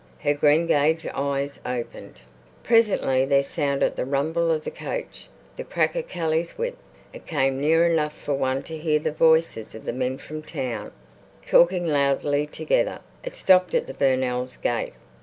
Her greengage eyes opened. Presently there sounded the rumble of the coach, the crack of Kelly's whip. It came near enough for one to hear the voices of the men from town, talking loudly together. It stopped at the Burnells' gate.